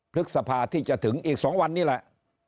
พฤษภาที่จะถึงอีก๒วันนี้แหละ